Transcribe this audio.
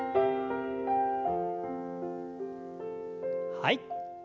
はい。